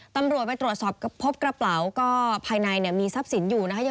ตำรวจไปตรวจสอบพบกระเป๋าก็ภายในเนี่ยมีทรัพย์สินอยู่นะคะ